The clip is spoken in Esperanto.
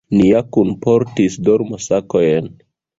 Ni ja kunportis dormosakojn.